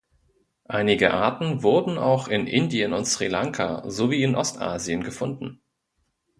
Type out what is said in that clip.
Einige Arten wurden auch in Indien und Sri Lanka, sowie in Ostasien gefunden.